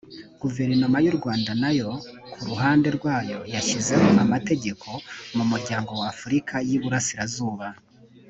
guverinoma yu rwanda nayo ku ruhande rwayo yashyizeho amategeko mumuryango wafurika yiburasirazuba